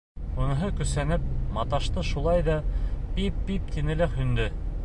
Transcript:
Уныһы көсәнеп маташты шулай ҙа, «пип-пип» тине лә һүнде.